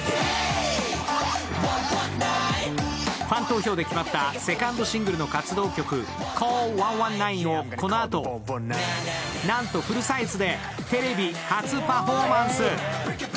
ファン投票で決まったセカンドシングルの活動曲、「ＣＡＬＬ１１９」をこのあと、なんとフルサイズでテレビ初パフォーマンス。